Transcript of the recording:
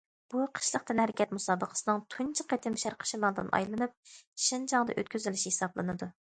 بۇ قىشلىق تەنھەرىكەت مۇسابىقىسىنىڭ تۇنجى قېتىم شەرقىي شىمالدىن ئايلىنىپ شىنجاڭدا ئۆتكۈزۈلۈشى ھېسابلىنىدۇ.